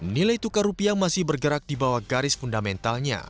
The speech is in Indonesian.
nilai tukar rupiah masih bergerak di bawah garis fundamentalnya